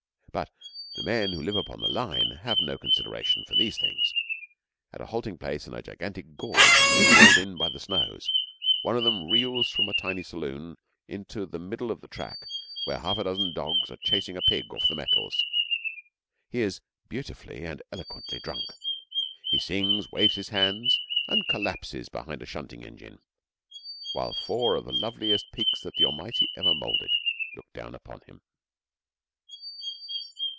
But the men who live upon the line have no consideration for these things. At a halting place in a gigantic gorge walled in by the snows, one of them reels from a tiny saloon into the middle of the track where half a dozen dogs are chasing a pig off the metals. He is beautifully and eloquently drunk. He sings, waves his hands, and collapses behind a shunting engine, while four of the loveliest peaks that the Almighty ever moulded look down upon him.